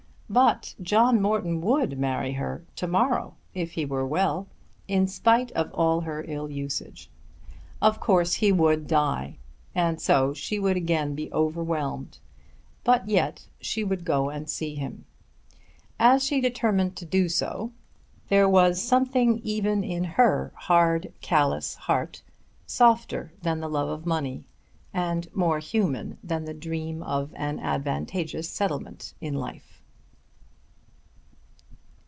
But John Morton would marry her to morrow if he were well, in spite of all her ill usage! Of course he would die and so she would again be overwhelmed; but yet she would go and see him. As she determined to do so there was something even in her hard callous heart softer than the love of money and more human than the dream of an advantageous settlement in life.